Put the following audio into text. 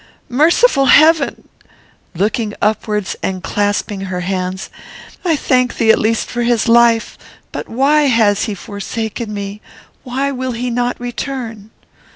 "Merciful Heaven!" (looking upwards and clasping her hands,) "I thank thee at least for his life! But why has he forsaken me? Why will he not return?"